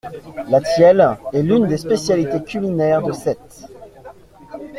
La tielle est l'une des spécialités culinaires de Sète.